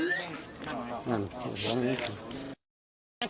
ด้าวนี้ค่ะ